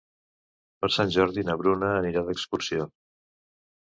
Per Sant Jordi na Bruna anirà d'excursió.